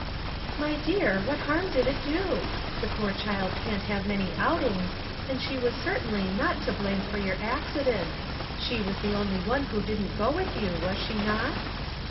" My dear, what harm did it do ? The poor child can't have many outings; and she was certainly not to blame for your accident. She was the only one who didn't go with you, was she not?"